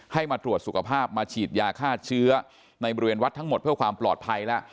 ให้มาตรวจสุขภาพมาฉีดยาฆ่าเชื้อในบริเวณวัดทั้งหมดเพื่อความปลอดภัยแล้ว